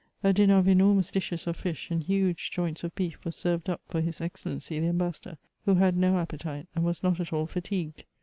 A dinner of enormous dishes of fish and huge joints of beef was served up for his Excellency the Ambassador, who had no appetite, and was not at all fatigued.